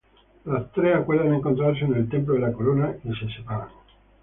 Los tres acuerdan encontrarse en el Templo de la Corona y se separan.